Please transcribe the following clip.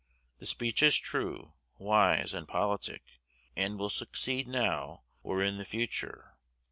The speech is true, wise, and politic, and will succeed now or in the future.